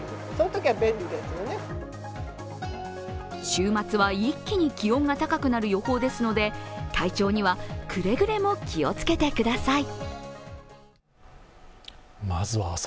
週末には一気に気温が高くなる予報ですので体調にはくれぐれも気をつけてください。